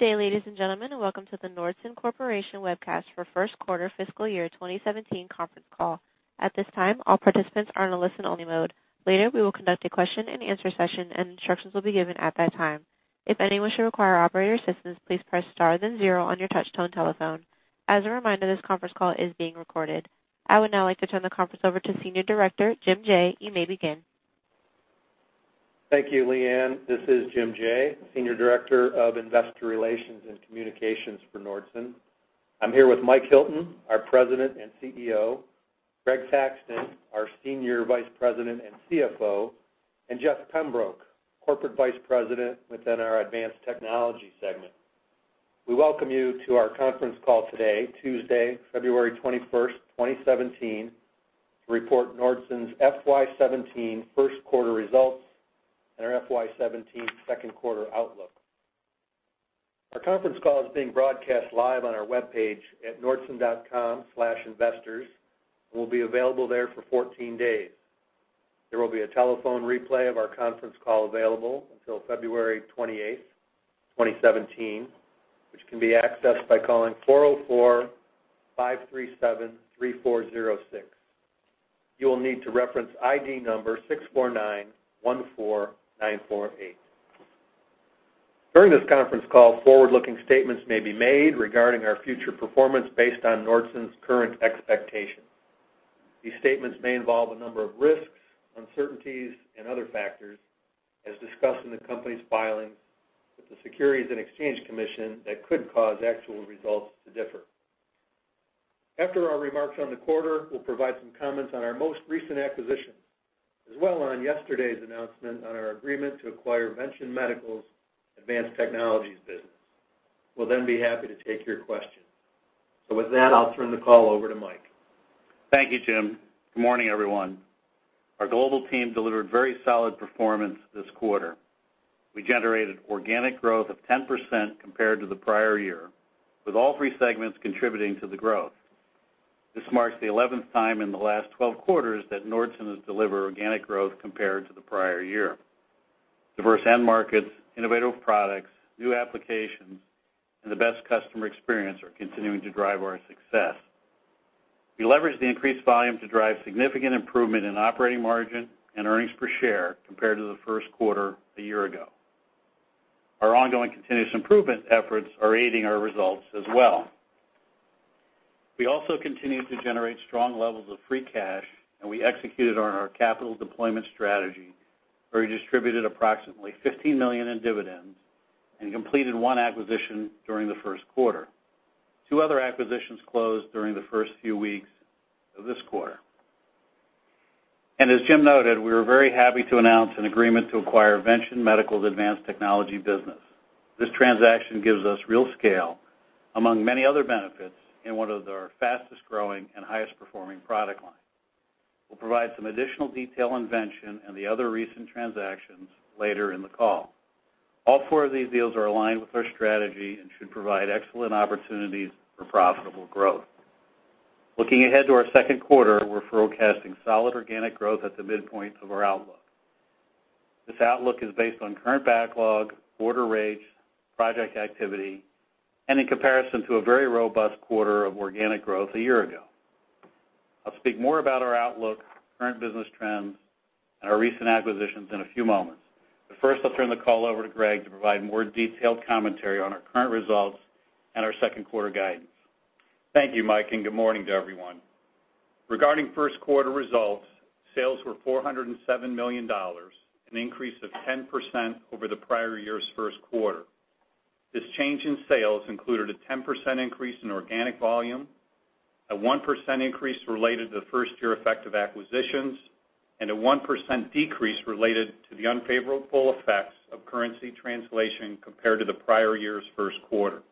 Good day, ladies and gentlemen, and welcome to the Nordson Corporation webcast for first quarter fiscal year 2017 conference call. At this time, all participants are in a listen-only mode. Later, we will conduct a question-and-answer session, and instructions will be given at that time. If anyone should require operator assistance, please press star then zero on your touch-tone telephone. As a reminder, this conference call is being recorded. I would now like to turn the conference over to Senior Director Jim Jaye. You may begin. Thank you, Leanne. This is Jim Jaye, Senior Director of Investor Relations and Communications for Nordson. I'm here with Mike Hilton, our President and CEO, Greg Thaxton, our Senior Vice President and CFO, and Jeff Pembroke, Corporate Vice President within our Advanced Technology segment. We welcome you to our conference call today, Tuesday, February 21st, 2017, to report Nordson's FY 17 first quarter results and our FY 17 second quarter outlook. Our conference call is being broadcast live on our webpage at nordson.com/investors and will be available there for 14 days. There will be a telephone replay of our conference call available until February 29th, 2017, which can be accessed by calling 404-573-406. You will need to reference ID number 64914948. During this conference call, forward-looking statements may be made regarding our future performance based on Nordson's current expectations. These statements may involve a number of risks, uncertainties, and other factors, as discussed in the company's filings with the Securities and Exchange Commission, that could cause actual results to differ. After our remarks on the quarter, we'll provide some comments on our most recent acquisitions, as well on yesterday's announcement on our agreement to acquire Vention Medical's Advanced Technologies business. We'll then be happy to take your questions. With that, I'll turn the call over to Mike. Thank you, Jim. Good morning, everyone. Our global team delivered very solid performance this quarter. We generated organic growth of 10% compared to the prior year, with all three segments contributing to the growth. This marks the 11th time in the last 12 quarters that Nordson has delivered organic growth compared to the prior year. Diverse end markets, innovative products, new applications, and the best customer experience are continuing to drive our success. We leveraged the increased volume to drive significant improvement in operating margin and earnings per share compared to the first quarter a year ago. Our ongoing continuous improvement efforts are aiding our results as well. We also continue to generate strong levels of free cash, and we executed on our capital deployment strategy, where we distributed approximately $50 million in dividends and completed one acquisition during the first quarter. Two other acquisitions closed during the first few weeks of this quarter. As Jim noted, we were very happy to announce an agreement to acquire Vention Medical's Advanced Technologies business. This transaction gives us real scale, among many other benefits, in one of our fastest-growing and highest-performing product lines. We'll provide some additional detail on Vention and the other recent transactions later in the call. All four of these deals are aligned with our strategy and should provide excellent opportunities for profitable growth. Looking ahead to our second quarter, we're forecasting solid organic growth at the midpoint of our outlook. This outlook is based on current backlog, order rates, project activity, and in comparison to a very robust quarter of organic growth a year ago. I'll speak more about our outlook, current business trends, and our recent acquisitions in a few moments. First, I'll turn the call over to Greg to provide more detailed commentary on our current results and our second quarter guidance. Thank you, Mike, and good morning to everyone. Regarding first quarter results, sales were $407 million, an increase of 10% over the prior year's first quarter. This change in sales included a 10% increase in organic volume, a 1% increase related to the first-year effect of acquisitions, and a 1% decrease related to the unfavorable effects of currency translation compared to the prior year's first quarter.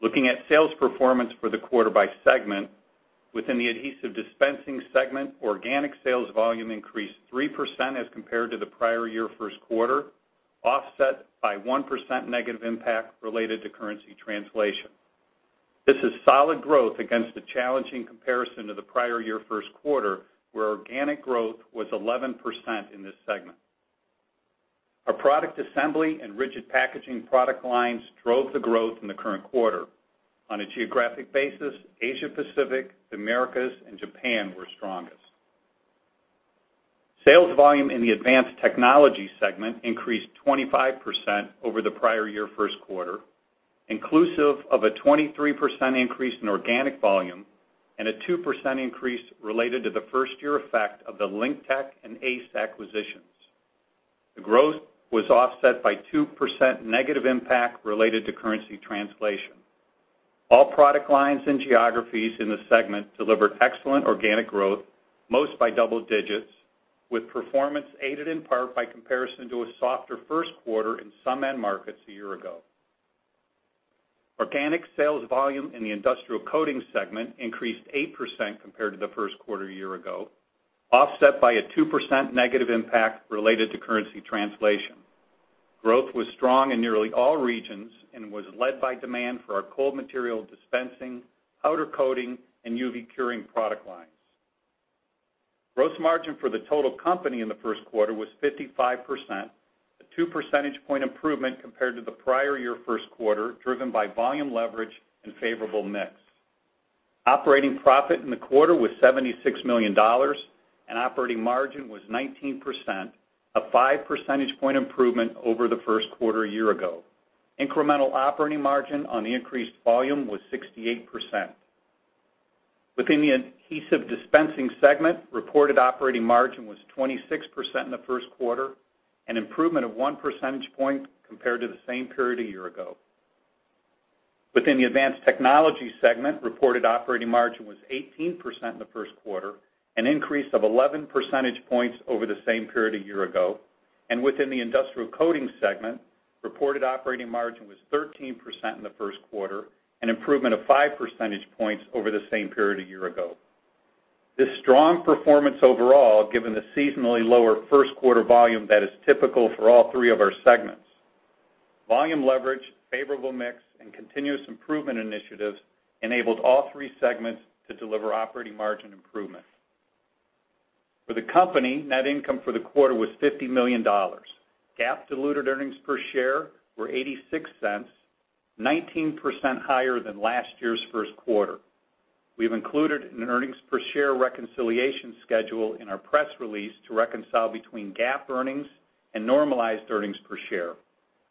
Looking at sales performance for the quarter by segment, within the Adhesive Dispensing segment, organic sales volume increased 3% as compared to the prior year first quarter, offset by 1% negative impact related to currency translation. This is solid growth against a challenging comparison to the prior year first quarter, where organic growth was 11% in this segment. Our product assembly and rigid packaging product lines drove the growth in the current quarter. On a geographic basis, Asia Pacific, the Americas, and Japan were strongest. Sales volume in the Advanced Technology segment increased 25% over the prior year first quarter, inclusive of a 23% increase in organic volume and a 2% increase related to the first year effect of the LinkTech and ACE acquisitions. The growth was offset by 2% negative impact related to currency translation. All product lines and geographies in the segment delivered excellent organic growth, most by double digits, with performance aided in part by comparison to a softer first quarter in some end markets a year ago. Organic sales volume in the Industrial Coating segment increased 8% compared to the first quarter a year ago, offset by a 2% negative impact related to currency translation. Growth was strong in nearly all regions and was led by demand for our cold material dispensing, powder coating, and UV curing product lines. Gross margin for the total company in the first quarter was 55%, a two percentage point improvement compared to the prior year first quarter, driven by volume leverage and favorable mix. Operating profit in the quarter was $76 million, and operating margin was 19%, a five percentage point improvement over the first quarter a year ago. Incremental operating margin on the increased volume was 68%. Within the Adhesive Dispensing segment, reported operating margin was 26% in the first quarter, an improvement of one percentage point compared to the same period a year ago. Within the Advanced Technology segment, reported operating margin was 18% in the first quarter, an increase of 11 percentage points over the same period a year ago. Within the Industrial Coating segment, reported operating margin was 13% in the first quarter, an improvement of five percentage points over the same period a year ago. This strong performance overall, given the seasonally lower first quarter volume that is typical for all three of our segments. Volume leverage, favorable mix, and continuous improvement initiatives enabled all three segments to deliver operating margin improvement. For the company, net income for the quarter was $50 million. GAAP diluted earnings per share were $0.86, 19% higher than last year's first quarter. We have included an earnings per share reconciliation schedule in our press release to reconcile between GAAP earnings and normalized earnings per share.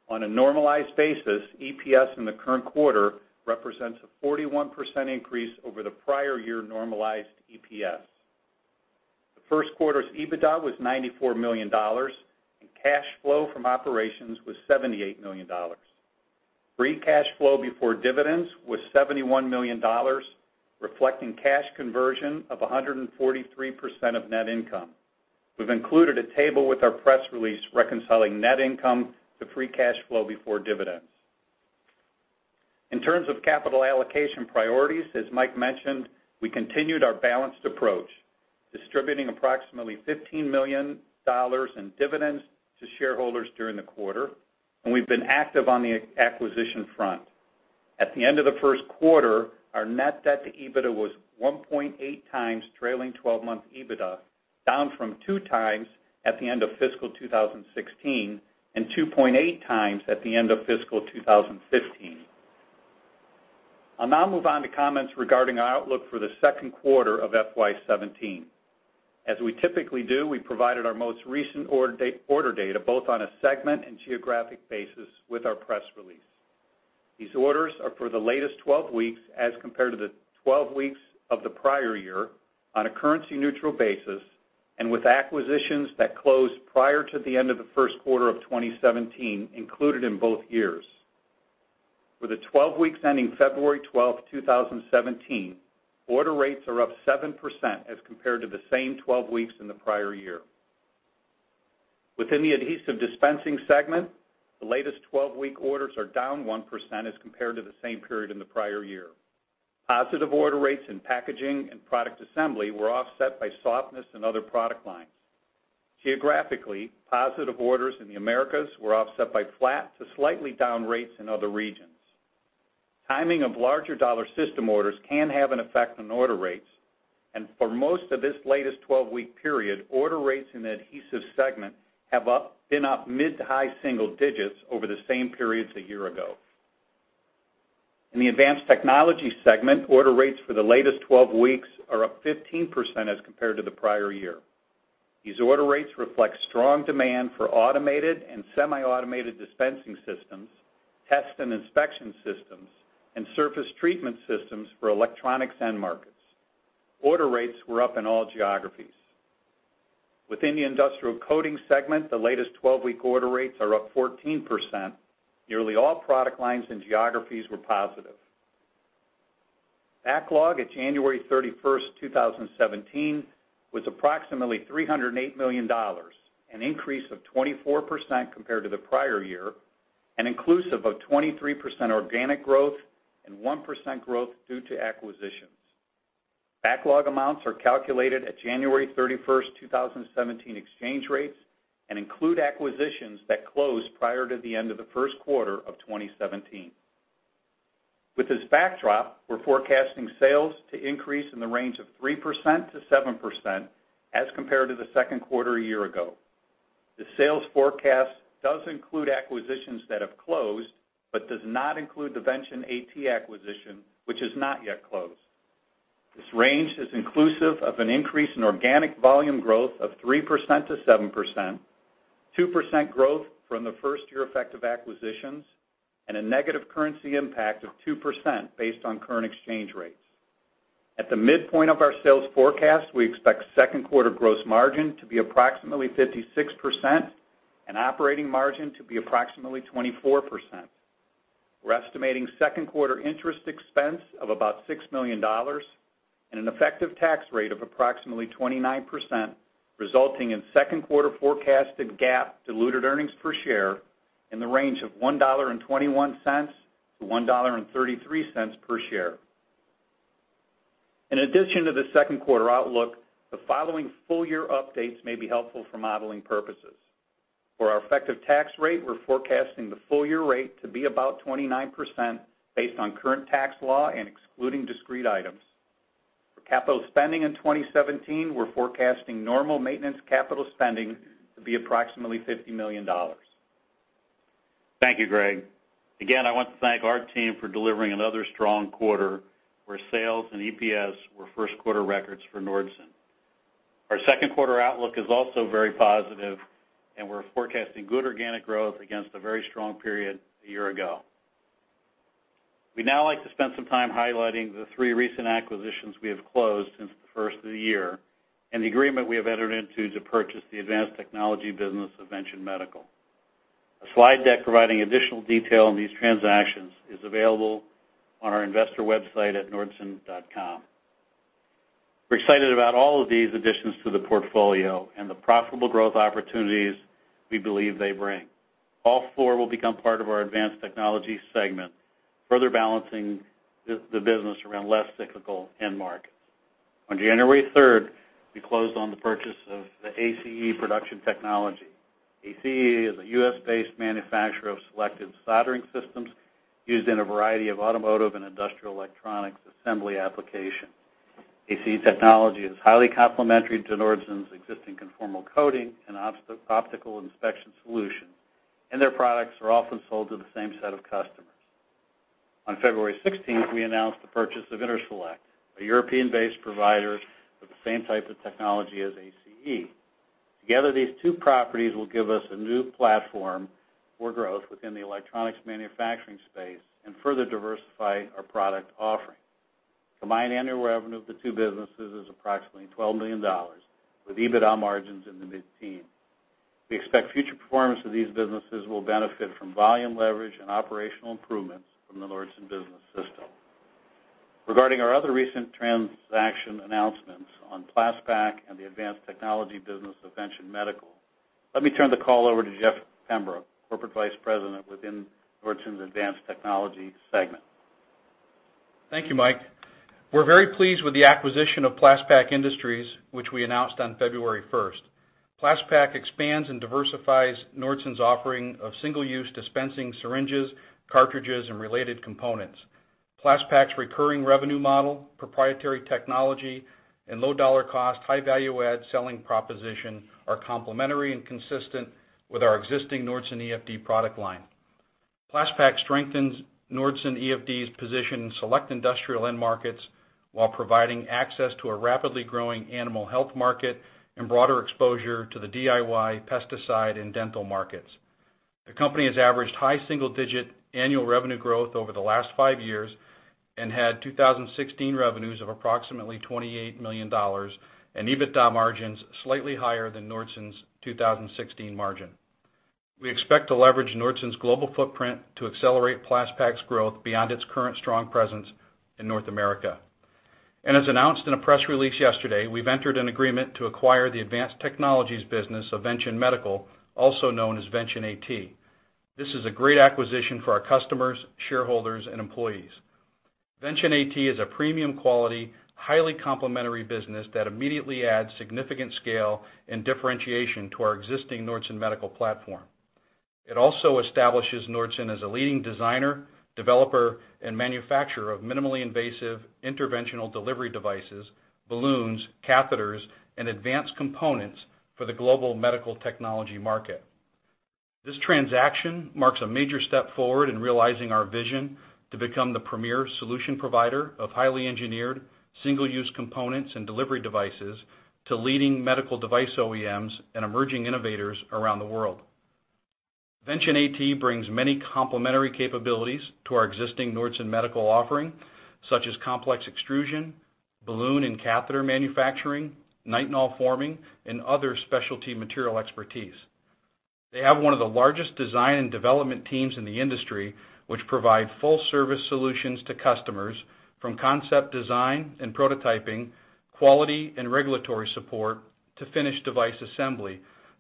On a normalized basis, EPS in the current quarter represents a 41% increase over the prior year normalized EPS. The first quarter's EBITDA was $94 million, and cash flow from operations was $78 million. Free cash flow before dividends was $71 million, reflecting cash conversion of 143% of net income. We've included a table with our press release reconciling net income to free cash flow before dividends. In terms of capital allocation priorities, as Mike mentioned, we continued our balanced approach, distributing approximately $15 million in dividends to shareholders during the quarter, and we've been active on the acquisition front. At the end of the first quarter, our net debt to EBITDA was 1.8x trailing twelve-month EBITDA, down from 2x at the end of fiscal 2016, and 2.8x at the end of fiscal 2015. I'll now move on to comments regarding our outlook for the second quarter of FY 2017. As we typically do, we provided our most recent order data, both on a segment and geographic basis, with our press release. These orders are for the latest 12 weeks, as compared to the 12 weeks of the prior year, on a currency-neutral basis, and with acquisitions that closed prior to the end of the first quarter of 2017 included in both years. For the 12 weeks ending February 12, 2017, order rates are up 7% as compared to the same 12 weeks in the prior year. Within the Adhesive Dispensing segment, the latest 12-week orders are down 1% as compared to the same period in the prior year. Positive order rates in packaging and product assembly were offset by softness in other product lines. Geographically, positive orders in the Americas were offset by flat to slightly down rates in other regions. Timing of larger dollar system orders can have an effect on order rates, and for most of this latest 12-week period, order rates in the Adhesive segment have been up mid to high single digits over the same periods a year ago. In the Advanced Technology segment, order rates for the latest 12 weeks are up 15% as compared to the prior year. These order rates reflect strong demand for automated and semi-automated dispensing systems, test and inspection systems, and surface treatment systems for electronics end markets. Order rates were up in all geographies. Within the Industrial Coating segment, the latest 12-week order rates are up 14%. Nearly all product lines and geographies were positive. Backlog at January 31st, 2017 was approximately $308 million, an increase of 24% compared to the prior year, and inclusive of 23% organic growth and 1% growth due to acquisitions. Backlog amounts are calculated at January 31, 2017 exchange rates and include acquisitions that closed prior to the end of the first quarter of 2017. With this backdrop, we're forecasting sales to increase in the range of 3%-7% as compared to the second quarter a year ago. The sales forecast does include acquisitions that have closed but does not include the Vention AT acquisition, which has not yet closed. This range is inclusive of an increase in organic volume growth of 3%-7%, 2% growth from the first year effect of acquisitions, and a negative currency impact of 2% based on current exchange rates. At the midpoint of our sales forecast, we expect second quarter gross margin to be approximately 56% and operating margin to be approximately 24%. We're estimating second quarter interest expense of about $6 million and an effective tax rate of approximately 29%, resulting in second quarter forecasted GAAP diluted earnings per share in the range of $1.21-$1.33 per share. In addition to the second quarter outlook, the following full-year updates may be helpful for modeling purposes. For our effective tax rate, we're forecasting the full year rate to be about 29% based on current tax law and excluding discrete items. For capital spending in 2017, we're forecasting normal maintenance capital spending to be approximately $50 million. Thank you, Greg. Again, I want to thank our team for delivering another strong quarter where sales and EPS were first quarter records for Nordson. Our second quarter outlook is also very positive, and we're forecasting good organic growth against a very strong period a year ago. We'd now like to spend some time highlighting the three recent acquisitions we have closed since the first of the year and the agreement we have entered into to purchase the advanced technology business of Vention Medical. A slide deck providing additional detail on these transactions is available on our investor website at nordson.com. We're excited about all of these additions to the portfolio and the profitable growth opportunities we believe they bring. All four will become part of our Advanced Technologies segment, further balancing the business around less cyclical end markets. On January 3rd, we closed on the purchase of the ACE Production Technologies. ACE is a U.S.-based manufacturer of selective soldering systems used in a variety of automotive and industrial electronics assembly applications. ACE technology is highly complementary to Nordson's existing conformal coating and optical inspection solutions, and their products are often sold to the same set of customers. On February sixteenth, we announced the purchase of InterSelect, a European-based provider with the same type of technology as ACE. Together, these two properties will give us a new platform for growth within the electronics manufacturing space and further diversify our product offering. Combined annual revenue of the two businesses is approximately $12 million, with EBITDA margins in the mid-teens. We expect future performance of these businesses will benefit from volume leverage and operational improvements from the Nordson Business System. Regarding our other recent transaction announcements on Plas-Pak and the advanced technology business of Vention Medical, let me turn the call over to Jeff Pembroke, Corporate Vice President within Nordson's Advanced Technology segment. Thank you, Mike. We're very pleased with the acquisition of Plas-Pak Industries, which we announced on February first. Plas-Pak expands and diversifies Nordson's offering of single-use dispensing syringes, cartridges, and related components. Plas-Pak's recurring revenue model, proprietary technology, and low dollar cost, high value add selling proposition are complementary and consistent with our existing Nordson EFD product line. Plas-Pak strengthens Nordson EFD's position in select industrial end markets while providing access to a rapidly growing animal health market and broader exposure to the DIY pesticide and dental markets. The company has averaged high single-digit annual revenue growth over the last five years and had 2016 revenues of approximately $28 million and EBITDA margins slightly higher than Nordson's 2016 margin. We expect to leverage Nordson's global footprint to accelerate Plas-Pak's growth beyond its current strong presence in North America. As announced in a press release yesterday, we've entered an agreement to acquire the advanced technologies business of Vention Medical, also known as Vention AT. This is a great acquisition for our customers, shareholders, and employees. Vention AT is a premium quality, highly complementary business that immediately adds significant scale and differentiation to our existing Nordson MEDICAL platform. It also establishes Nordson as a leading designer, developer, and manufacturer of minimally invasive interventional delivery devices, balloons, catheters, and advanced components for the global medical technology market. This transaction marks a major step forward in realizing our vision to become the premier solution provider of highly engineered, single-use components and delivery devices to leading medical device OEMs and emerging innovators around the world. Vention AT brings many complementary capabilities to our existing Nordson MEDICAL offering, such as complex extrusion, balloon and catheter manufacturing, Nitinol forming and other specialty material expertise. They have one of the largest design and development teams in the industry, which provide full service solutions to customers from concept design and prototyping, quality and regulatory support to finish device assembly,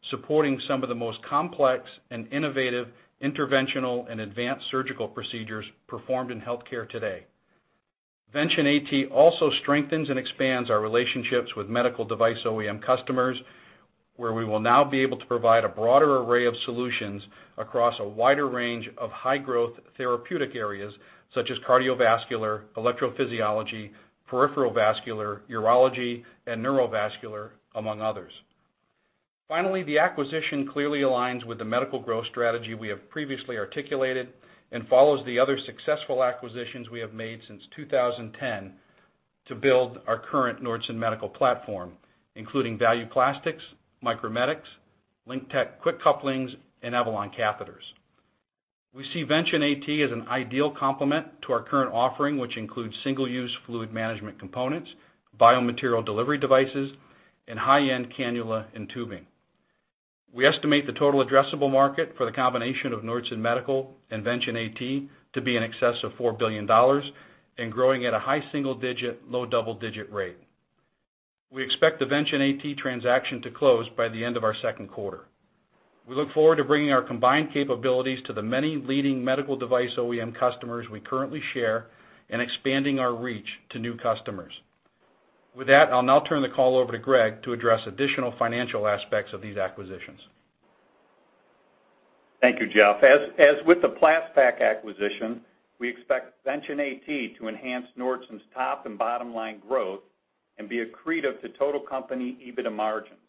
supporting some of the most complex and innovative interventional and advanced surgical procedures performed in health care today. Vention AT also strengthens and expands our relationships with medical device OEM customers, where we will now be able to provide a broader array of solutions across a wider range of high growth therapeutic areas such as cardiovascular, electrophysiology, peripheral vascular, urology, and neurovascular, among others. Finally, the acquisition clearly aligns with the medical growth strategy we have previously articulated and follows the other successful acquisitions we have made since 2010 to build our current Nordson MEDICAL platform, including Value Plastics, Micromedics, LinkTech Quick Couplings, and Avalon Laboratories. We see Vention AT as an ideal complement to our current offering, which includes single-use fluid management components, biomaterial delivery devices, and high-end cannula and tubing. We estimate the total addressable market for the combination of Nordson MEDICAL and Vention AT to be in excess of $4 billion and growing at a high single digit, low double-digit rate. We expect the Vention AT transaction to close by the end of our second quarter. We look forward to bringing our combined capabilities to the many leading medical device OEM customers we currently share and expanding our reach to new customers. With that, I'll now turn the call over to Greg to address additional financial aspects of these acquisitions. Thank you, Jeff. As with the Plas-Pak acquisition, we expect Vention AT to enhance Nordson's top and bottom line growth and be accretive to total company EBITDA margins.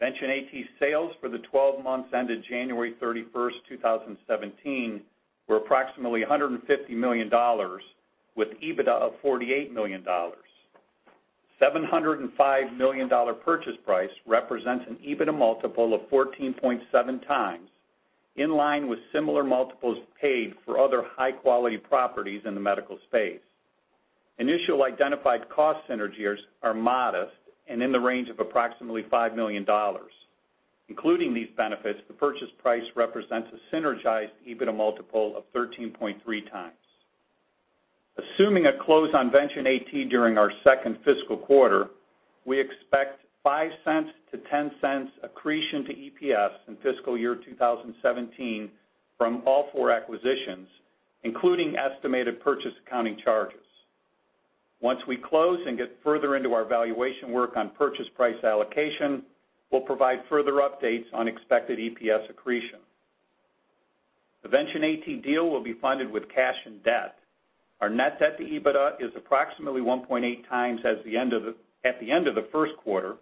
Vention AT sales for the twelve months ended January 31st, 2017, were approximately $150 million with EBITDA of $48 million. $705 million purchase price represents an EBITDA multiple of 14.7x, in line with similar multiples paid for other high-quality properties in the medical space. Initial identified cost synergies are modest and in the range of approximately $5 million. Including these benefits, the purchase price represents a synergized EBITDA multiple of 13.3x. Assuming a close on Vention AT during our second fiscal quarter, we expect $0.05-$0.10 accretion to EPS in fiscal year 2017 from all four acquisitions, including estimated purchase accounting charges. Once we close and get further into our valuation work on purchase price allocation, we'll provide further updates on expected EPS accretion. The Vention AT deal will be funded with cash and debt. Our net debt to EBITDA is approximately 1.8x at the end of the first quarter.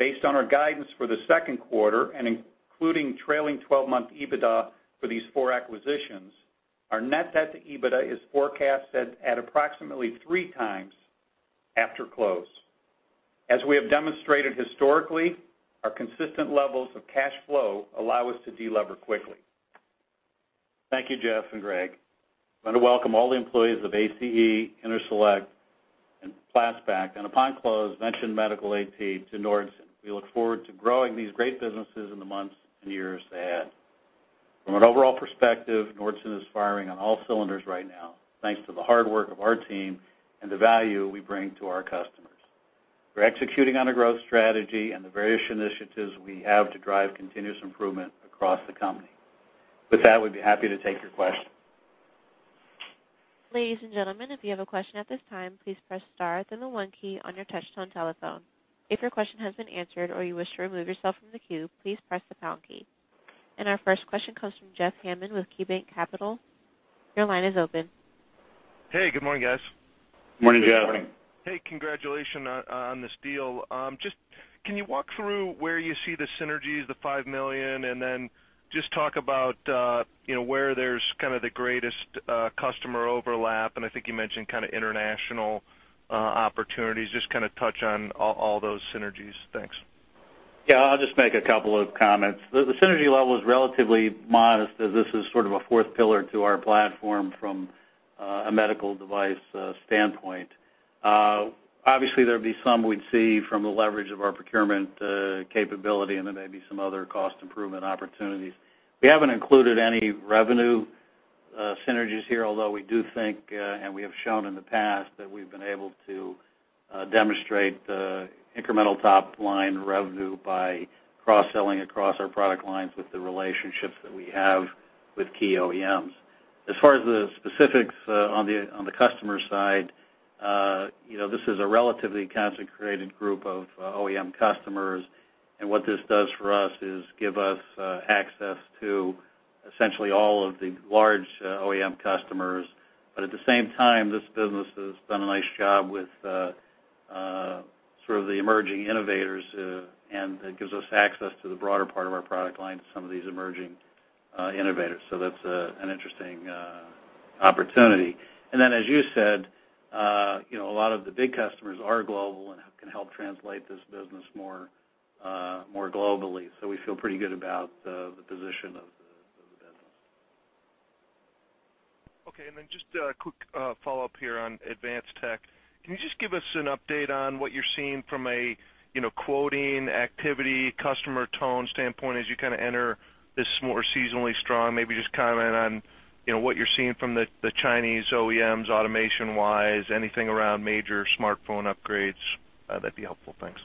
Based on our guidance for the second quarter and including trailing 12-month EBITDA for these four acquisitions, our net debt to EBITDA is forecasted at approximately 3x after close. As we have demonstrated historically, our consistent levels of cash flow allow us to de-lever quickly. Thank you, Jeff and Greg. I want to welcome all the employees of ACE, InterSelect, and Plas-Pak, and upon close, Vention Medical AT to Nordson. We look forward to growing these great businesses in the months and years ahead. From an overall perspective, Nordson is firing on all cylinders right now, thanks to the hard work of our team and the value we bring to our customers. We're executing on a growth strategy and the various initiatives we have to drive continuous improvement across the company. With that, we'd be happy to take your questions. Ladies and gentlemen, if you have a question at this time, please press star, then the one key on your touchtone telephone. If your question has been answered or you wish to remove yourself from the queue, please press the pound key. Our first question comes from Jeff Hammond with KeyBanc Capital. Your line is open. Hey, good morning, guys. Morning, Jeff. Good morning. Hey, congratulations on this deal. Just, can you walk through where you see the synergies, the $5 million, and then just talk about you know, where there's kind of the greatest customer overlap, and I think you mentioned kinda international opportunities. Just kinda touch on all those synergies. Thanks. Yeah. I'll just make a couple of comments. The synergy level is relatively modest, as this is sort of a fourth pillar to our platform from a medical device standpoint. Obviously, there'd be some we'd see from the leverage of our procurement capability, and there may be some other cost improvement opportunities. We haven't included any revenue synergies here, although we do think and we have shown in the past that we've been able to demonstrate incremental top-line revenue by cross-selling across our product lines with the relationships that we have with key OEMs. As far as the specifics on the customer side, you know, this is a relatively concentrated group of OEM customers, and what this does for us is give us access to essentially all of the large OEM customers. At the same time, this business has done a nice job with sort of the emerging innovators, and it gives us access to the broader part of our product line to some of these emerging innovators. That's an interesting opportunity. As you said, you know, a lot of the big customers are global and can help translate this business more globally. We feel pretty good about the position of the business. Okay. Just a quick follow-up here on Advanced Tech. Can you just give us an update on what you're seeing from a, you know, quoting activity, customer tone standpoint as you kinda enter this more seasonally strong? Maybe just comment on, you know, what you're seeing from the Chinese OEMs automation-wise, anything around major smartphone upgrades, that'd be helpful. Thanks.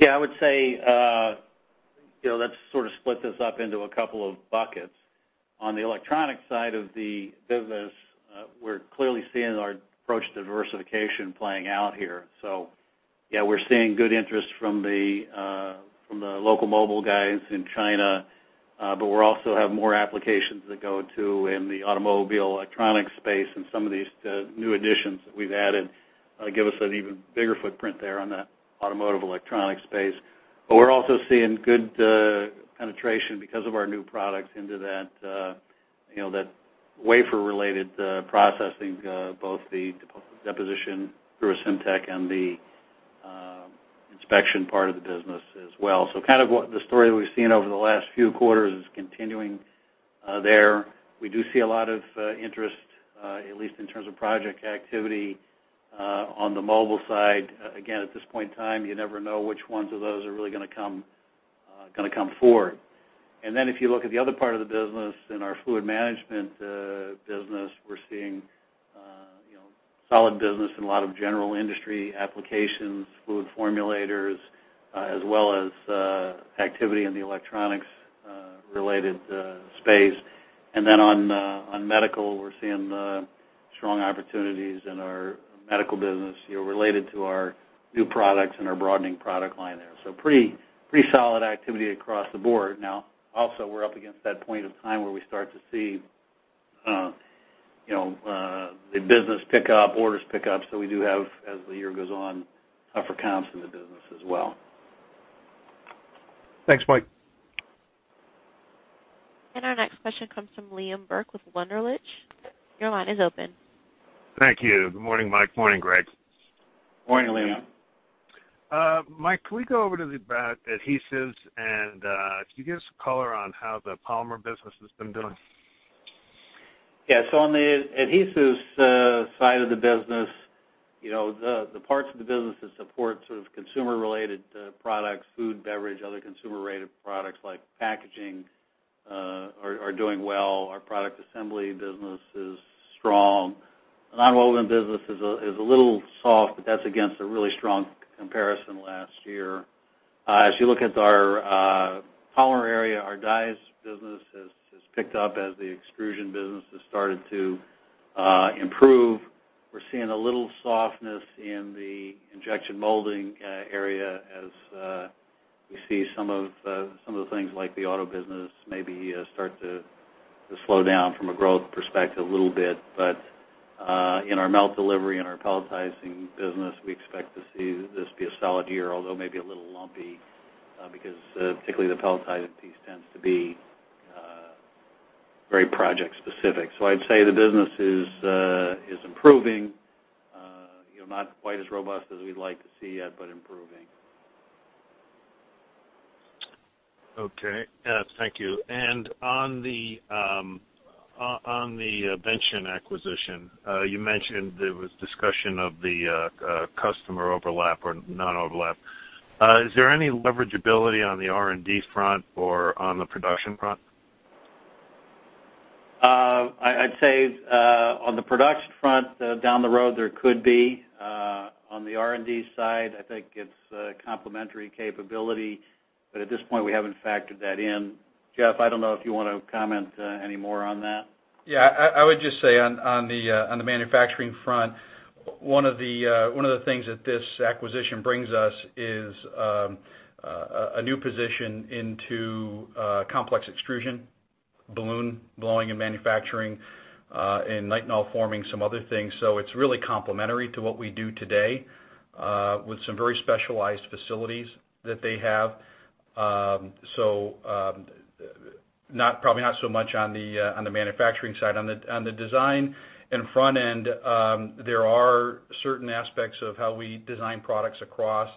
Yeah, I would say, you know, let's sort of split this up into a couple of buckets. On the electronic side of the business, we're clearly seeing our approach to diversification playing out here. Yeah, we're seeing good interest from the local mobile guys in China, but we also have more applications that go into the automobile electronics space, and some of these new additions that we've added give us an even bigger footprint there on the automotive electronics space. But we're also seeing good penetration because of our new products into that, you know, that wafer-related processing, both the deposition through ASYMTEK and the inspection part of the business as well. Kind of what the story we've seen over the last few quarters is continuing there. We do see a lot of interest, at least in terms of project activity, on the mobile side. Again, at this point in time, you never know which ones of those are really gonna come forward. If you look at the other part of the business, in our fluid management business, we're seeing, you know, solid business in a lot of general industry applications, fluid formulators, as well as activity in the electronics related space. On medical, we're seeing strong opportunities in our medical business, you know, related to our new products and our broadening product line there. Pretty solid activity across the board. Now, also, we're up against that point of time where we start to see, you know, the business pick up, orders pick up. We do have, as the year goes on, tougher comps in the business as well. Thanks, Mike. Our next question comes from Liam Burke with Wunderlich. Your line is open. Thank you. Good morning, Mike. Morning, Greg. Morning, Liam. Mike, can we go over about adhesives, and can you give us color on how the polymer business has been doing? Yeah. On the adhesives side of the business, you know, the parts of the business that support sort of consumer-related products, food, beverage, other consumer-related products like packaging, are doing well. Our product assembly business is strong. Nonwovens business is a little soft, but that's against a really strong comparison last year. As you look at our polymer area, our dies business has picked up as the extrusion business has started to improve. We're seeing a little softness in the injection molding area as we see some of the things like the auto business maybe start to slow down from a growth perspective a little bit. In our melt delivery and our pelletizing business, we expect to see this be a solid year, although maybe a little lumpy, because particularly the pelletizing piece tends to be very project specific. I'd say the business is improving, you know, not quite as robust as we'd like to see yet, but improving. Okay. Thank you. On the Vention acquisition, you mentioned there was discussion of the customer overlap or non-overlap. Is there any leveragability on the R&D front or on the production front? I'd say on the production front, down the road, there could be. On the R&D side, I think it's a complementary capability, but at this point, we haven't factored that in. Jeff, I don't know if you wanna comment any more on that. I would just say on the manufacturing front, one of the things that this acquisition brings us is a new position into complex extrusion, balloon blowing and manufacturing, and Nitinol forming some other things. It's really complementary to what we do today with some very specialized facilities that they have. Probably not so much on the manufacturing side. On the design and front end, there are certain aspects of how we design products across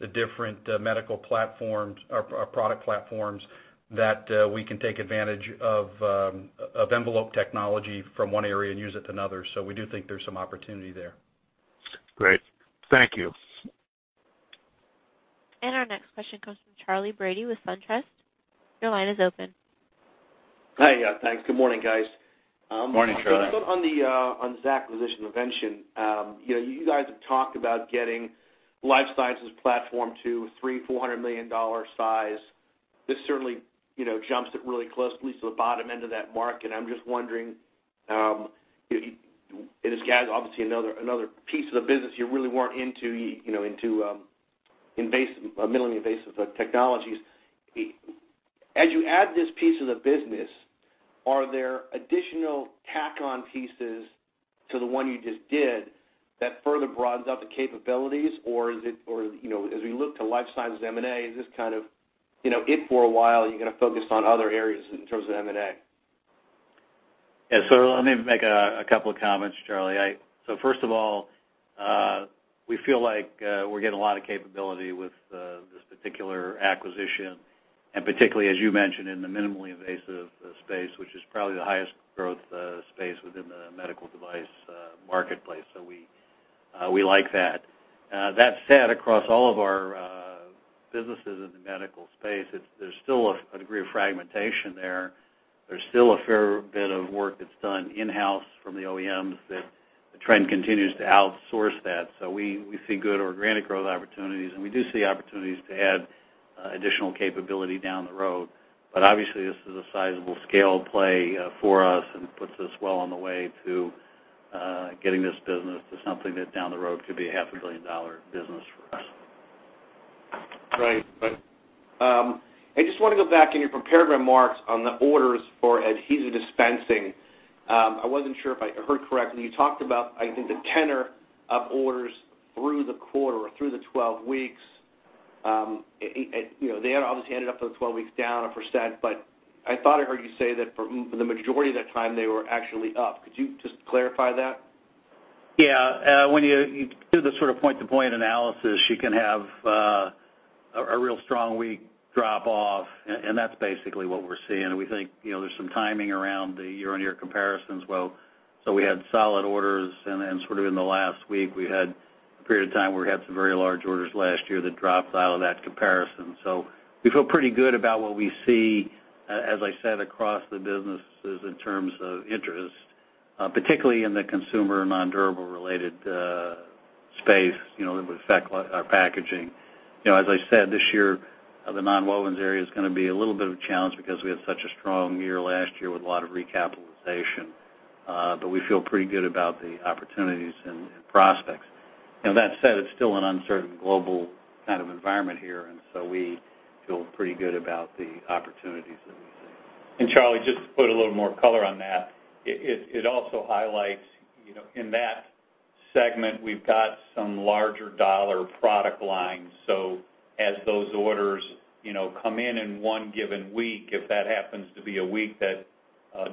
the different medical platforms or product platforms that we can take advantage of envelope technology from one area and use it to another. We do think there's some opportunity there. Great. Thank you. Our next question comes from Charley Brady with SunTrust. Your line is open. Hi. Yeah, thanks. Good morning, guys. Morning, Charley. On this acquisition of Vention, you know, you guys have talked about getting life sciences platform to $300-$400 million size. This certainly, you know, jumps it really closely to the bottom end of that market. I'm just wondering, guys, obviously another piece of the business you really weren't into, you know, into minimally invasive technologies. As you add this piece of the business, are there additional tack-on pieces to the one you just did that further broadens out the capabilities, or is it, or, you know, as we look to life sciences M&A, is this kind of, you know, it for a while, you're gonna focus on other areas in terms of M&A? Yeah. Let me make a couple of comments, Charlie. First of all, we feel like we're getting a lot of capability with this particular acquisition, and particularly, as you mentioned, in the minimally invasive space, which is probably the highest growth space within the medical device marketplace. We like that. That said, across all of our businesses in the medical space, there's still a degree of fragmentation there. There's still a fair bit of work that's done in-house from the OEMs that the trend continues to outsource that. We see good organic growth opportunities, and we do see opportunities to add additional capability down the road. Obviously, this is a sizable scale play for us and puts us well on the way to getting this business to something that down the road could be a half a billion dollar business for us. Right. I just wanna go back in your prepared remarks on the orders for adhesive dispensing. I wasn't sure if I heard correctly. You talked about, I think, the tenor of orders through the quarter or through the 12 weeks. It, you know, they obviously ended up those 12 weeks down 1%, but I thought I heard you say that for the majority of that time, they were actually up. Could you just clarify that? When you do the sort of point-to-point analysis, you can have a real strong week drop off, and that's basically what we're seeing. We think, you know, there's some timing around the year-on-year comparisons. Well, we had solid orders, and then sort of in the last week, we had a period of time where we had some very large orders last year that drops out of that comparison. We feel pretty good about what we see, as I said, across the businesses in terms of interest. Particularly in the consumer nondurable related space, you know, that would affect our packaging. You know, as I said, this year, the nonwovens area is gonna be a little bit of a challenge because we had such a strong year last year with a lot of recapitalization. We feel pretty good about the opportunities and prospects. You know, that said, it's still an uncertain global kind of environment here, and so we feel pretty good about the opportunities that we see. Charlie, just to put a little more color on that, it also highlights, you know, in that segment, we've got some larger dollar product lines. As those orders, you know, come in in one given week, if that happens to be a week that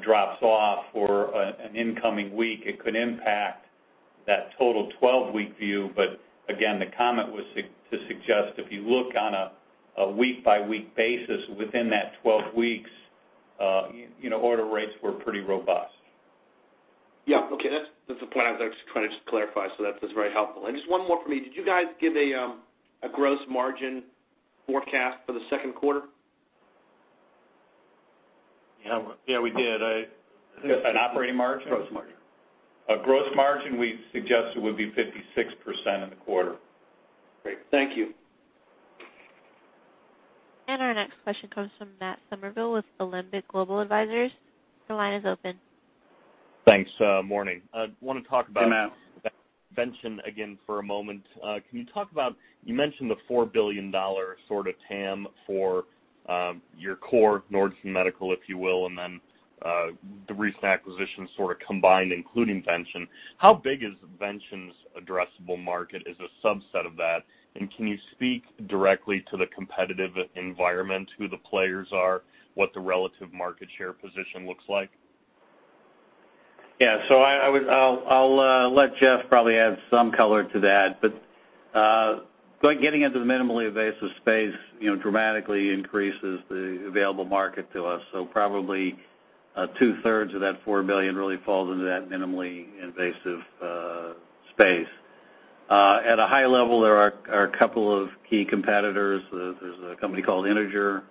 drops off for an incoming week, it could impact that total 12-week view. Again, the comment was just to suggest if you look on a week-by-week basis within that 12 weeks, you know, order rates were pretty robust. Yeah. Okay. That's the point I was trying to just clarify, so that was very helpful. Just one more for me. Did you guys give a gross margin forecast for the second quarter? Yeah. Yeah, we did. Just an operating margin? Gross margin. Our gross margin, we suggested would be 56% in the quarter. Great. Thank you. Our next question comes from Matt Summerville with Alembic Global Advisors. Your line is open. Thanks, morning. I wanna talk about. Hey, Matt Vention again for a moment. Can you talk about, you mentioned the $4 billion sort of TAM for your core Nordson Medical, if you will, and then the recent acquisition sort of combined, including Vention. How big is Vention's addressable market as a subset of that? And can you speak directly to the competitive environment, who the players are, what the relative market share position looks like? I'll let Jeff probably add some color to that. Getting into the minimally invasive space, you know, dramatically increases the available market to us. Probably, two-thirds of that $4 billion really falls into that minimally invasive space. At a high level, there are a couple of key competitors. There's a company called Integer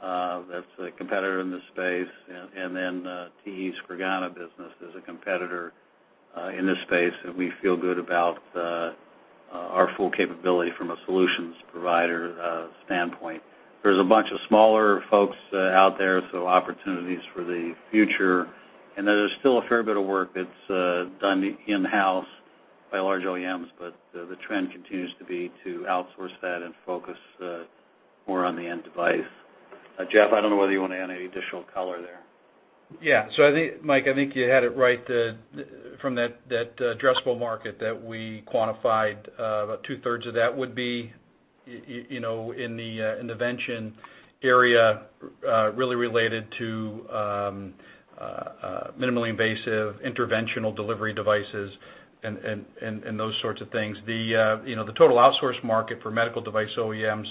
that's a competitor in this space and then TE's Creganna business is a competitor in this space, and we feel good about our full capability from a solutions provider standpoint. There's a bunch of smaller folks out there, so opportunities for the future. There's still a fair bit of work that's done in-house by large OEMs, but the trend continues to be to outsource that and focus more on the end device. Jeff, I don't know whether you wanna add any additional color there. Yeah. I think, Mike, I think you had it right, from that addressable market that we quantified, about two-thirds of that would be, you know, in the Vention area, really related to, minimally invasive interventional delivery devices and those sorts of things. You know, the total outsource market for medical device OEMs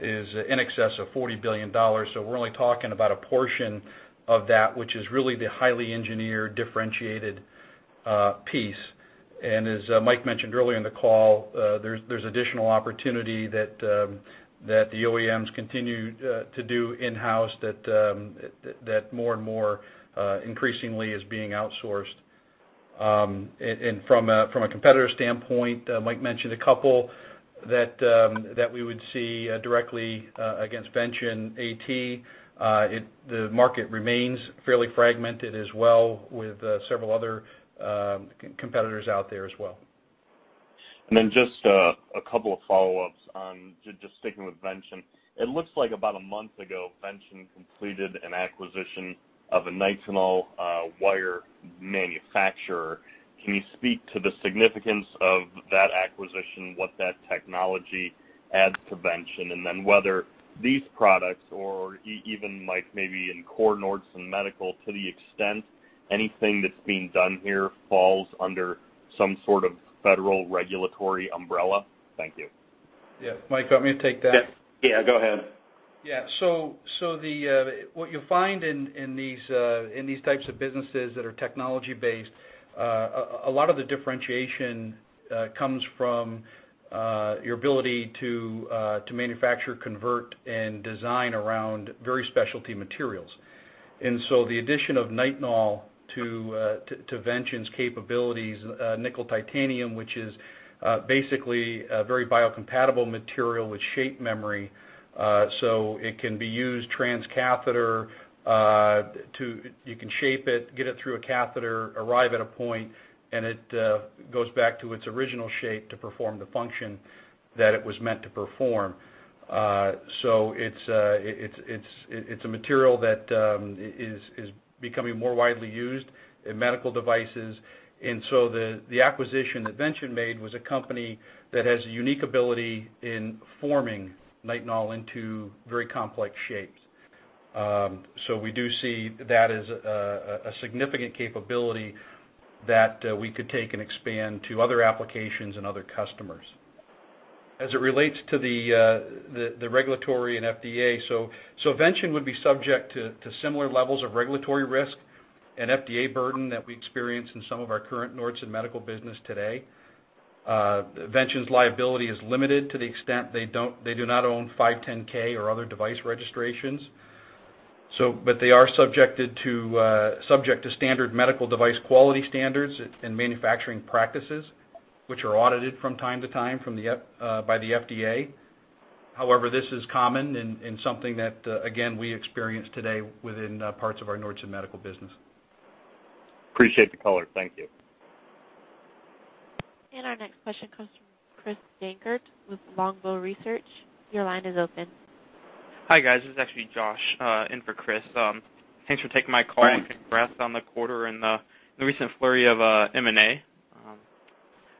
is in excess of $40 billion. We're only talking about a portion of that, which is really the highly engineered, differentiated, piece. As Mike mentioned earlier in the call, there's additional opportunity that the OEMs continue to do in-house that more and more increasingly is being outsourced. From a competitor standpoint, Mike mentioned a couple that we would see directly against Vention AT. The market remains fairly fragmented as well with several other competitors out there as well. Just a couple of follow-ups on, just sticking with Vention. It looks like about a month ago, Vention completed an acquisition of a Nitinol wire manufacturer. Can you speak to the significance of that acquisition, what that technology adds to Vention, and then whether these products or even, Mike, maybe in core Nordson Medical, to the extent anything that's being done here falls under some sort of federal regulatory umbrella? Thank you. Yeah. Mike, want me to take that? Yeah. Yeah, go ahead. Yeah. The what you'll find in these types of businesses that are technology-based, a lot of the differentiation comes from your ability to manufacture, convert, and design around very specialty materials. The addition of Nitinol to Vention's capabilities, nickel titanium, which is basically a very biocompatible material with shape memory, so it can be used transcatheter. You can shape it, get it through a catheter, arrive at a point, and it goes back to its original shape to perform the function that it was meant to perform. It's a material that is becoming more widely used in medical devices. The acquisition that Vention made was a company that has a unique ability in forming Nitinol into very complex shapes. We do see that as a significant capability that we could take and expand to other applications and other customers. As it relates to the regulatory and FDA, so Vention would be subject to similar levels of regulatory risk and FDA burden that we experience in some of our current Nordson Medical business today. Vention's liability is limited to the extent they do not own 510(k) or other device registrations. They are subject to standard medical device quality standards and manufacturing practices, which are audited from time to time by the FDA. However, this is common and something that, again, we experience today within parts of our Nordson MEDICAL business. Appreciate the color. Thank you. Our next question comes from Chris Dankert with Longbow Research. Your line is open. Hi, guys. This is actually Josh in for Chris. Thanks for taking my call. Yeah. Congrats on the quarter and the recent flurry of M&A.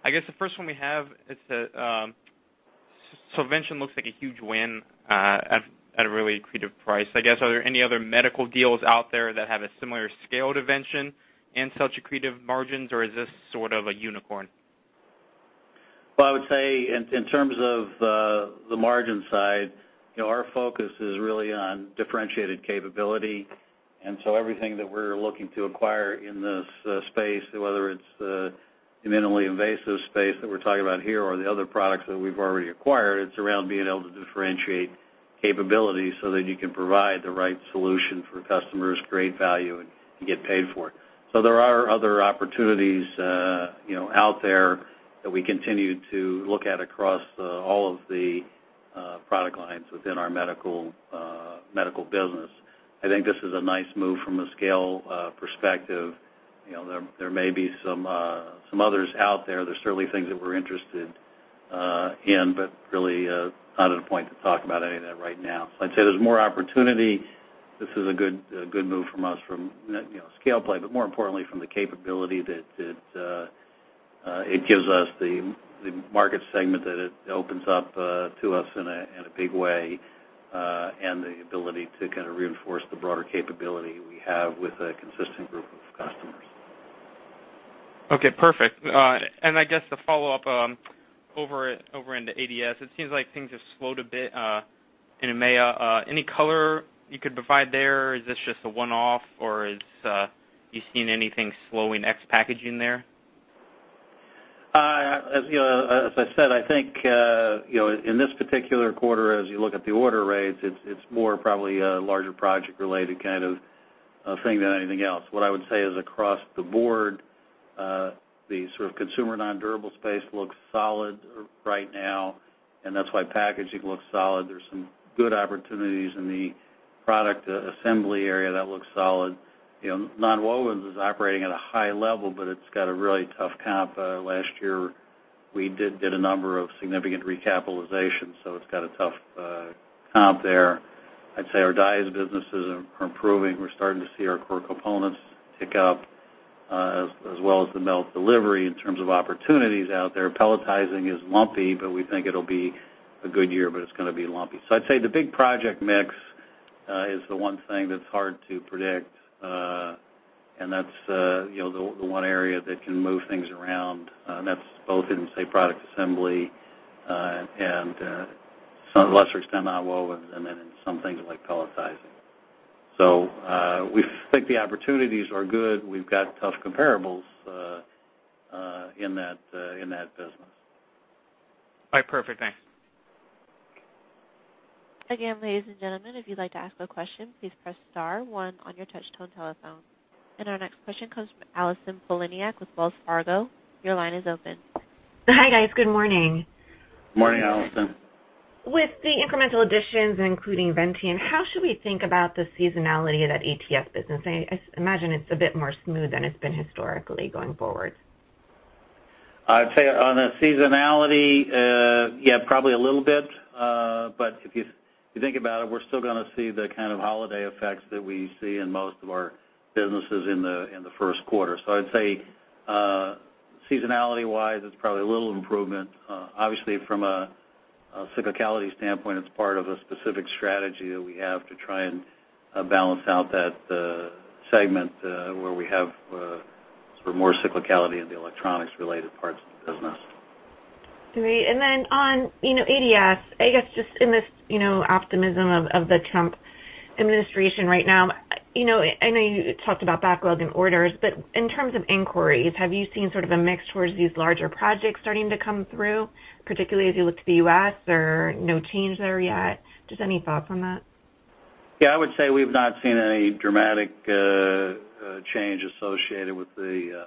I guess the first one we have is that Vention looks like a huge win at a really accretive price. I guess, are there any other medical deals out there that have a similar scale to Vention and such accretive margins, or is this sort of a unicorn? Well, I would say in terms of the margin side, you know, our focus is really on differentiated capability. Everything that we're looking to acquire in this space, whether it's the minimally invasive space that we're talking about here or the other products that we've already acquired, it's around being able to differentiate capabilities so that you can provide the right solution for customers, create value, and get paid for it. There are other opportunities, you know, out there that we continue to look at across all of the product lines within our medical business. I think this is a nice move from a scale perspective. You know, there may be some others out there. There's certainly things that we're interested in, but really not at a point to talk about any of that right now. I'd say there's more opportunity. This is a good move from us, you know, scale play, but more importantly from the capability that it gives us, the market segment that it opens up to us in a big way, and the ability to kinda reinforce the broader capability we have with a consistent group of customers. Okay, perfect. I guess to follow up, over into ADS, it seems like things have slowed a bit in EMEA. Any color you could provide there? Is this just a one-off or are you seeing anything slowing ex-packaging there? You know, as I said, I think, you know, in this particular quarter, as you look at the order rates, it's more probably a larger project related kind of a thing than anything else. What I would say is across the board, the sort of consumer nondurable space looks solid right now, and that's why packaging looks solid. There's some good opportunities in the product assembly area that looks solid. You know, nonwovens is operating at a high level, but it's got a really tough comp. Last year, we did get a number of significant recapitalizations, so it's got a tough comp there. I'd say our dies businesses are improving. We're starting to see our core components pick up, as well as the melt delivery in terms of opportunities out there. Pelletizing is lumpy, but we think it'll be a good year, but it's gonna be lumpy. I'd say the big project mix is the one thing that's hard to predict. That's you know, the one area that can move things around. That's both in, say, product assembly and to some lesser extent nonwovens and then in some things like pelletizing. We think the opportunities are good. We've got tough comparables in that business. All right, perfect. Thanks. Again, ladies and gentlemen, if you'd like to ask a question, please press star one on your touch tone telephone. Our next question comes from Allison Poliniak-Cusic with Wells Fargo. Your line is open. Hi, guys. Good morning. Morning, Allison. With the incremental additions, including Vention, how should we think about the seasonality of that ATS business? I imagine it's a bit more smooth than it's been historically going forward. I'd say on a seasonality, probably a little bit. If you think about it, we're still gonna see the kind of holiday effects that we see in most of our businesses in the first quarter. I'd say, seasonality-wise, it's probably a little improvement. Obviously, from a cyclicality standpoint, it's part of a specific strategy that we have to try and balance out that segment, where we have sort of more cyclicality in the electronics related parts of the business. Great. On, you know, ADS, I guess just in this, you know, optimism of the Trump administration right now, you know, I know you talked about backlog and orders, but in terms of inquiries, have you seen sort of a mix towards these larger projects starting to come through, particularly as you look to the U.S. or no change there yet? Just any thought from that? Yeah, I would say we've not seen any dramatic change associated with the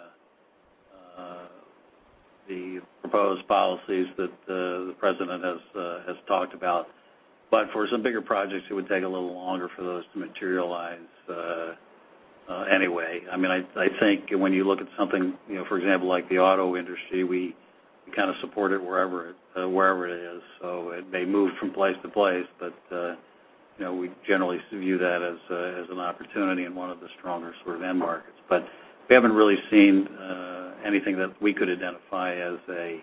proposed policies that the president has talked about. For some bigger projects, it would take a little longer for those to materialize anyway. I mean, I think when you look at something, you know, for example, like the auto industry, we kind of support it wherever it is. It may move from place to place, but you know, we generally view that as an opportunity and one of the stronger sort of end markets. We haven't really seen anything that we could identify as an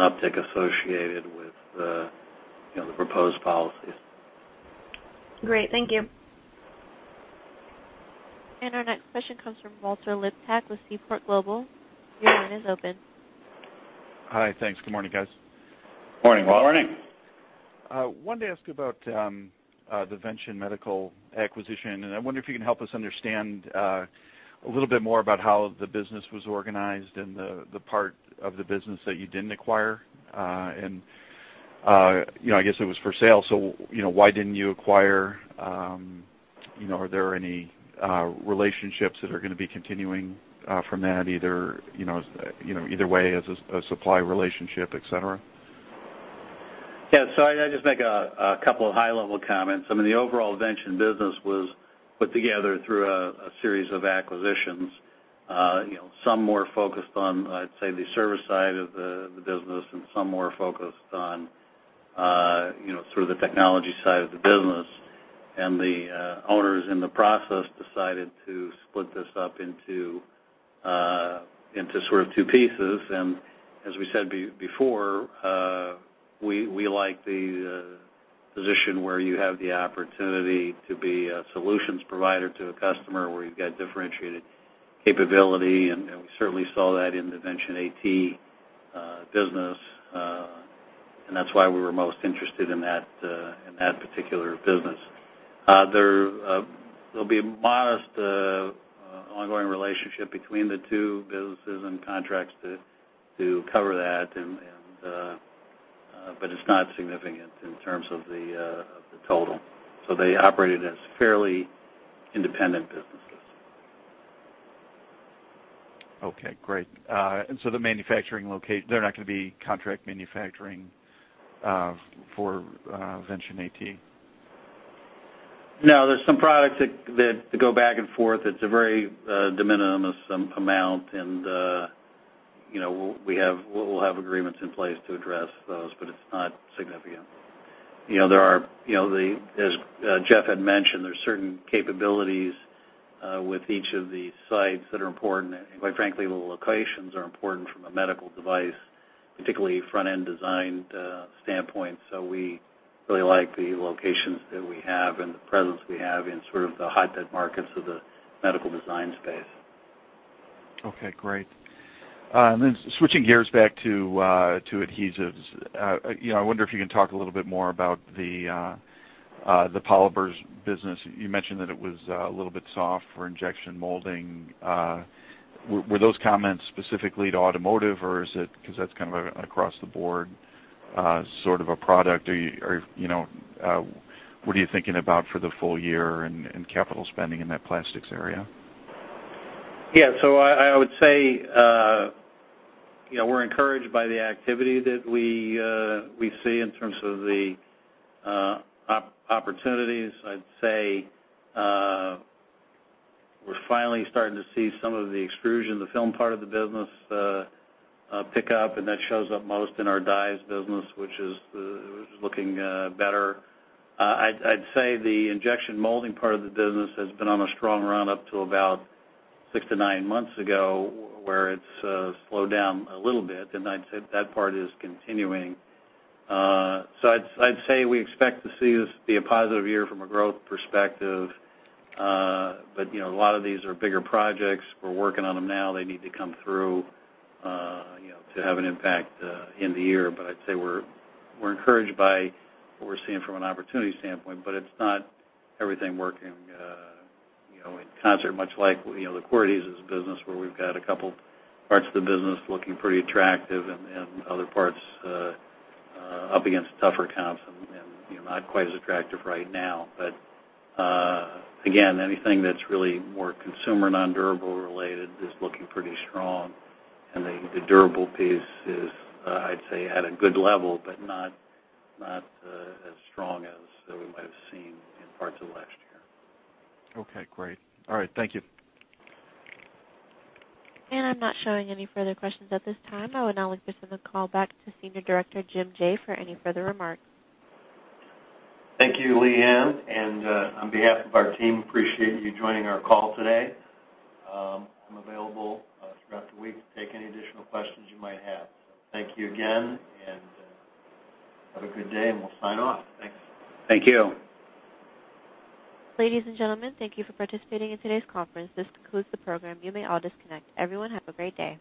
uptick associated with the proposed policies. Great. Thank you. Our next question comes from Walter Liptak with Seaport Global. Your line is open. Hi. Thanks. Good morning, guys. Morning, Walter. Wanted to ask you about the Vention Medical acquisition. I wonder if you can help us understand a little bit more about how the business was organized and the part of the business that you didn't acquire. You know, I guess it was for sale, so you know, why didn't you acquire? You know, are there any relationships that are gonna be continuing from that either, you know, either way as a supply relationship, et cetera? I just make a couple of high-level comments. I mean, the overall Vention business was put together through a series of acquisitions. You know, some more focused on, I'd say, the service side of the business, and some more focused on, you know, sort of the technology side of the business. The owners in the process decided to split this up into sort of two pieces. As we said before, we like the position where you have the opportunity to be a solutions provider to a customer where you've got differentiated capability. You know, we certainly saw that in the Vention AT business, and that's why we were most interested in that particular business. There'll be a modest ongoing relationship between the two businesses and contracts to cover that and but it's not significant in terms of the total. They operated as fairly independent businesses. Okay. Great. They're not gonna be contract manufacturing for Vention AT. No, there's some products that go back and forth. It's a very de minimis amount and, you know, we'll have agreements in place to address those, but it's not significant. You know, there are, you know, as Jeff had mentioned, there's certain capabilities with each of the sites that are important. Quite frankly, the locations are important from a medical device, particularly front-end design, standpoint. We really like the locations that we have and the presence we have in sort of the hotbed markets of the medical design space. Okay. Great. switching gears back to adhesives. You know, I wonder if you can talk a little bit more about the polymers business. You mentioned that it was a little bit soft for injection molding. Were those comments specifically to automotive, or is it 'cause that's kind of across-the-board sort of a product? You know, what are you thinking about for the full year and capital spending in that plastics area? Yeah. I would say, you know, we're encouraged by the activity that we see in terms of the opportunities. I'd say, we're finally starting to see some of the extrusion, the film part of the business, pick up, and that shows up most in our dies business, which is looking better. I'd say the injection molding part of the business has been on a strong run up to about six to nine months ago, where it's slowed down a little bit, and I'd say that part is continuing. I'd say we expect to see this be a positive year from a growth perspective. You know, a lot of these are bigger projects. We're working on them now. They need to come through, you know, to have an impact in the year. I'd say we're encouraged by what we're seeing from an opportunity standpoint, but it's not everything working, you know, in concert, much like, you know, the core adhesives business, where we've got a couple parts of the business looking pretty attractive and other parts up against tougher comps and, you know, not quite as attractive right now. Again, anything that's really more consumer nondurable related is looking pretty strong. The durable piece is, I'd say at a good level, but not as strong as we might have seen in parts of last year. Okay. Great. All right. Thank you. I'm not showing any further questions at this time. I would now like to send the call back to Senior Director Jim Jaye for any further remarks. Thank you, Leanne. On behalf of our team, appreciate you joining our call today. I'm available throughout the week to take any additional questions you might have. Thank you again, and, have a good day, and we'll sign off. Thanks. Thank you. Ladies and gentlemen, thank you for participating in today's conference. This concludes the program. You may all disconnect. Everyone have a great day.